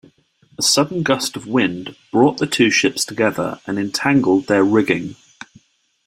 A sudden gust of wind brought the two ships together and entangled their rigging.